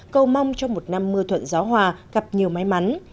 cầu mong cho một năm mưa thuận gió hòa gặp nhiều may mắn